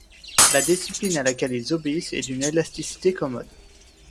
La discipline à laquelle ils obéissent est d’une élasticité commode.